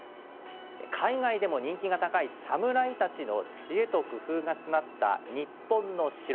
海外でも人気が高い「サムライ」たちの知恵と工夫が詰まった日本の城。